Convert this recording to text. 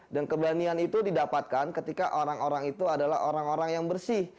dan keberanian itu didapatkan ketika orang orang itu adalah orang orang yang bersih